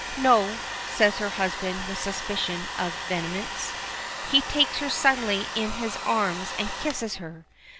"No," says her husband with a suspicion of vehemence. He takes her suddenly in his arms and kisses her.